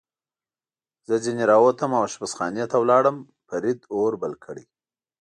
زه ځنې را ووتم او اشپزخانې ته ولاړم، فرید اور بل کړی و.